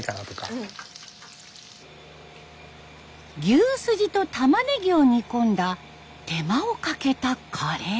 牛すじとたまねぎを煮込んだ手間をかけたカレー。